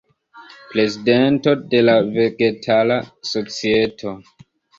Prezidento de la Vegetara Societo.